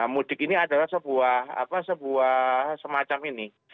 mudik ini adalah sebuah semacam ini